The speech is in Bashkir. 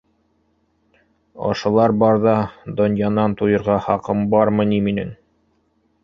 Ошолар барҙа донъянан туйырға хаҡым бармы ни минең?!